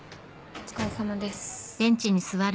お疲れさまです。